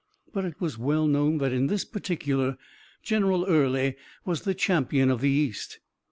But it was well known that in this particular General Early was the champion of the East.